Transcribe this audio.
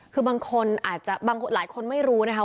คือบางคนอาจจะบางคนไม่รู้นะคะ